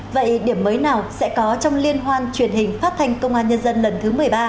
vậy điểm mới nào sẽ có trong liên hoan truyền hình phát thanh công an nhân dân lần thứ một mươi ba